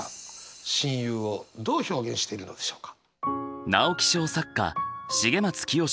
親友をどう表現してるのでしょうか？